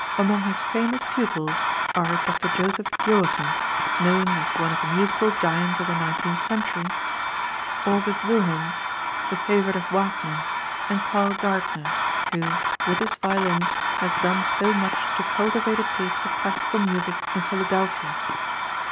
Among his famous pupils are Dr. Joseph Joachim, known as one of the musical giants of the nineteenth century; August Wilhelmj, the favorite of Wagner, and Carl Gaertner, who, with his violin has done so much to cultivate a taste for classical music in Philadelphia.